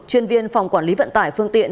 chuyên viên phòng quản lý vận tải phương tiện